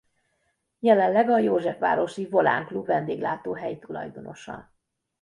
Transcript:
Jelenleg a józsefvárosi Volán Klub vendéglátóhely tulajdonosa.